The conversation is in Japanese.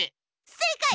せいかい！